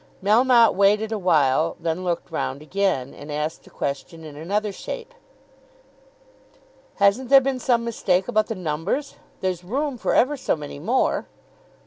Melmotte waited awhile, then looked round again, and asked the question in another shape: "Hasn't there been some mistake about the numbers? There's room for ever so many more."